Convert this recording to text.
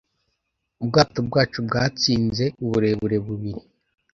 Ubwato bwacu bwatsinze uburebure bubiri.